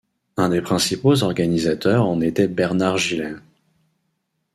Un des principaux organisateurs en était Bernard Gillain.